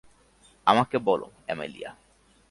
আমাকে বলো, অ্যামেলিয়া।